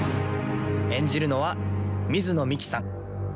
演じるのは水野美紀さん。